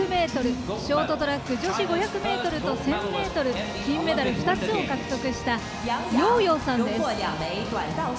ショートトラック女子５００ｍと１０００ｍ金メダル２つを獲得した楊揚さんです。